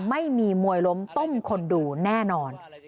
ไม่มีมวยล้มต้มคนดูแน่นอน